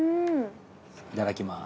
いただきます。